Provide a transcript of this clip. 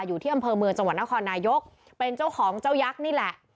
อยู่ที่อำเภอเมืองจังหวัดนครนายกเป็นเจ้าของเจ้ายักษ์นี่แหละ